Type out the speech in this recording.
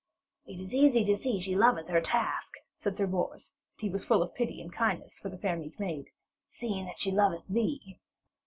'It is easy to see she loveth her task,' said Sir Bors, and he was full of pity and kindness for the fair meek maid, 'seeing that she loveth thee.'